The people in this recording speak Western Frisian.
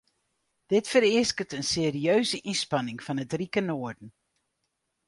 Dit fereasket in serieuze ynspanning fan it rike noarden.